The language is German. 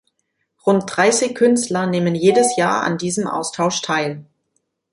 Rund dreissig Künstler nehmen jedes Jahr an diesem Austausch teil.